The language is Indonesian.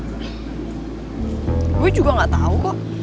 gua juga gak tau kok